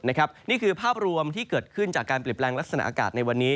นี่คือภาพรวมที่เกิดขึ้นจากการเปลี่ยนแปลงลักษณะอากาศในวันนี้